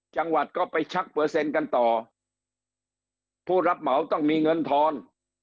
จังหวัดก็ไปชักเปอร์เซ็นต์กันต่อผู้รับเหมาต้องมีเงินทอน